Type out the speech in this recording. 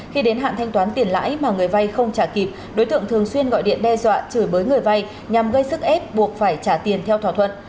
khi đến hạn thanh toán tiền lãi mà người vay không trả kịp đối tượng thường xuyên gọi điện đe dọa chửi bới người vay nhằm gây sức ép buộc phải trả tiền theo thỏa thuận